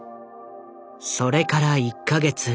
それから１か月。